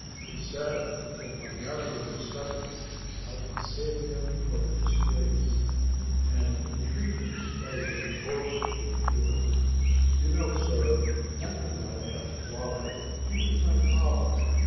He said that by marrying Stebbins I could save him from disgrace, and entreated, rather than forced me to it. You know, sir, I could not ask why: he was my father.